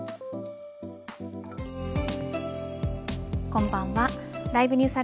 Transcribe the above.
こんばんは。